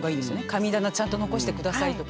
神棚ちゃんと残してくださいとか。